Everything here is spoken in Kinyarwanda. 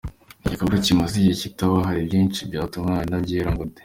Ni n’igikorwa kimaze igihe kitaba, hari byinshi bitaratungana, nta byera ngo de.